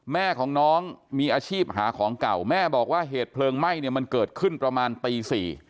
แม่ของน้องมีอาชีพหาของเก่าแม่บอกว่าเหตุเพลิงไหม้เนี่ยมันเกิดขึ้นประมาณตี๔